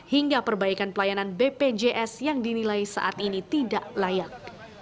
hingga perbaikan pelayanan bpjs yang dinilai saat ini tidak layak